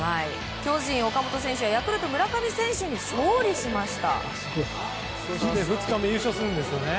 巨人、岡本選手はヤクルト、村上選手に勝利しました。